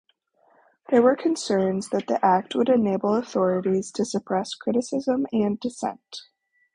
There were concerns that the Act would enable authorities to suppress criticism and dissent.